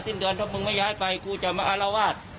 สิ้นเดือนถ้ามึงไม่ย้ายไปกูจะมาอารวาส